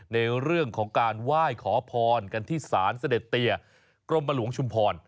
ในเรื่องของการไหว้ขอพรกันที่ศาลเสด็จเตียกรมหลวงชุมพร